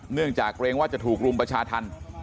เนื่องจากเกรงว่าจะถูกรุมประชาธรรม